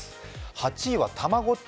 ８位は、たまごっち。